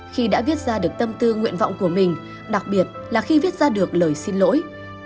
khi đã viết ra được tâm tư nguyện vọng của mình đặc biệt là khi viết ra được lời xin lỗi